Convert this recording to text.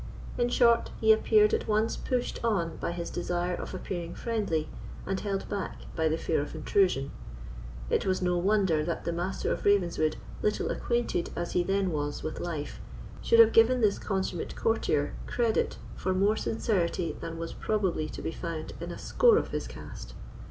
In short, he appeared at once pushed on by his desire of appearing friendly, and held back by the fear of intrusion. It was no wonder that the Master of Ravenswood, little acquainted as he then was with life, should have given this consummate courtier credit for more sincerity than was probably to be found in a score of his cast.